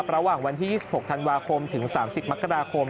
ระหว่างวันที่๒๖ธันวาคมถึง๓๐มกราคม